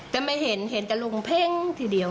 แต่ไม่เห็นเห็นแต่ลุงเพ่งทีเดียว